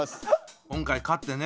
今回勝ってね。